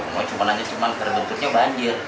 kalau kebun bunan cuma terbentuknya banjir